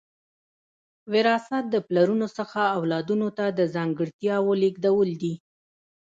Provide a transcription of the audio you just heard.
وراثت د پلرونو څخه اولادونو ته د ځانګړتیاوو لیږدول دي